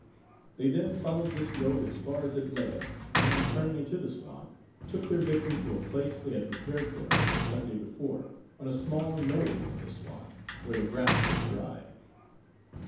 They then followed this road as far as it led, and, turning into the swamp, took their victim to a place they had prepared for her the Sunday before, on a small knoll in the swamp, where the ground was dry.